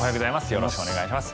よろしくお願いします。